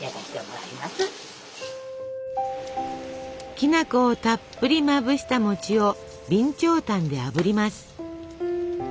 きなこをたっぷりまぶした餅を備長炭であぶります。